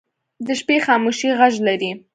د شپې خاموشي غږ لري